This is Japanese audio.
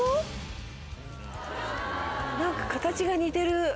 なんか形が似てる。